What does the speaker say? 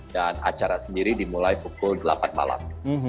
dan acara sendiri dimulai pukul delapan malam